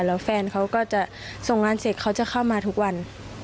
แล้วแฟนเขาก็จะส่งงานเสร็จเขาจะเข้ามาทุกวัน